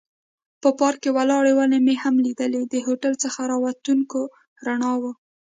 په پارک کې ولاړې ونې مې هم لیدلې، د هوټل څخه را وتونکو رڼاوو.